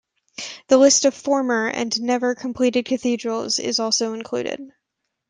A list of former and never completed cathedrals is also included.